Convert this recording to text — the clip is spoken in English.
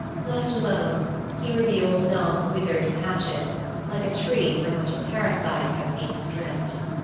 Left alone, he revealed numb withered patches, like a tree from which a parasite has been stripped.